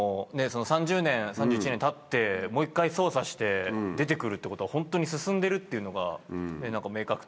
３０年３１年たってもう１回捜査して出て来るってことはホントに進んでるっていうのが明確というか。